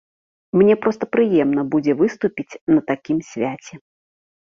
Мне проста прыемна будзе выступіць на такім свяце.